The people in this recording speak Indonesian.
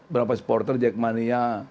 berapa supporter jack mania